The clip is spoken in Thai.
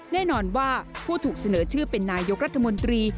แน่นอนว่าผู้ถูกเสนอชื่อเป็นนายกรัฐมนตรี